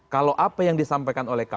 kalau apa yang disampaikan oleh kak adi